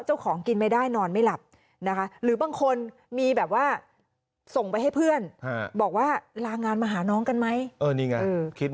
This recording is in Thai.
กินไม่ได้นอนไม่หลับนะคะหรือบางคนมีแบบว่าส่งไปให้เพื่อนบอกว่าลางานมาหาน้องกันไหม